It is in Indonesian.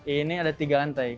ini ada tiga lantai